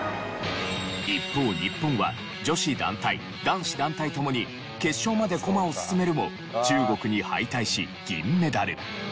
一方日本は女子団体男子団体ともに決勝まで駒を進めるも中国に敗退し銀メダル。